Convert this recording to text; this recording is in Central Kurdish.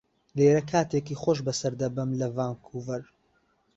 لێرە کاتێکی خۆش بەسەر دەبەم لە ڤانکوڤەر.